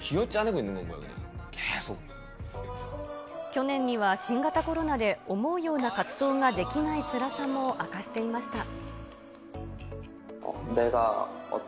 去年には、新型コロナで思うような活動ができないつらさも明かしていました。